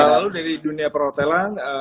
lalu dari dunia perhotelan